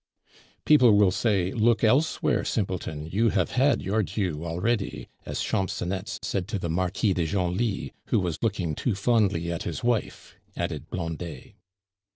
"People will say, 'Look elsewhere, simpleton; you have had your due already,' as Champcenetz said to the Marquis de Genlis, who was looking too fondly at his wife," added Blondet.